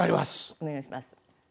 お願いします。